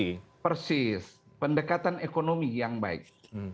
oh iya persis pendekatan ekonomi yang baik